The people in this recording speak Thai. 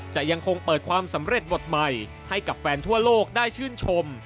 จะยังคงเปิดความสำเร็จบทใหม่ให้กับแฟนทั่วโลกได้ชื่นชม